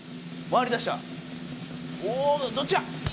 どっちや？